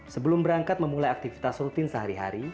sebelum berangkat memulai aktivitas rutin sehari hari